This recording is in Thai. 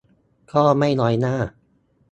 ก็ไม่น้อยหน้า